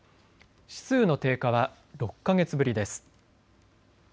指数の低下は６か月ぶりです。